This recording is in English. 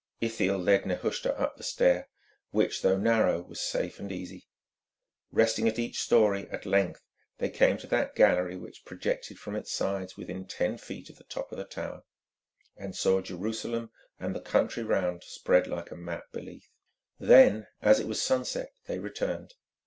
Ithiel led Nehushta up the stair, which, though narrow, was safe and easy. Resting at each story, at length they came to that gallery which projected from its sides within ten feet of the top of the tower, and saw Jerusalem and the country round spread like a map beneath. Then, as it was sunset, they returned.